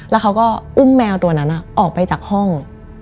แล้วเขาก็อุ้มแมวตัวนั้นออกไปจากห้อง